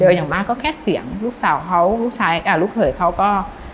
อย่างมากก็แค่เสียงลูกสาวเขาลูกชายอ่าลูกเขยเขาก็